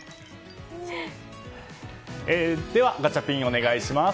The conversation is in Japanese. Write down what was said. では、ガチャピンお願いします。